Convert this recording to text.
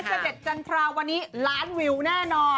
เสด็จจันทราวันนี้ล้านวิวแน่นอน